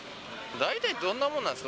大体どんなものなんですか？